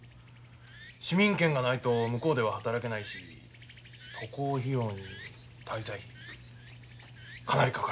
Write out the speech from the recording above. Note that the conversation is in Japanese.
市民権がないと向こうでは働けないし渡航費用に滞在費かなりかかるよ。